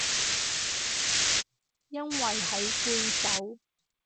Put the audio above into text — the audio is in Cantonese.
因為喺句首